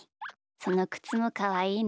そのくつもかわいいな。